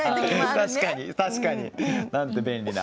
確かに確かに。なんて便利な。